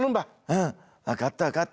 うん分かった分かった。